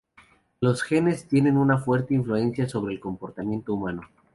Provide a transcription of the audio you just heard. Los genes tienen una fuerte influencia sobre el comportamiento humano.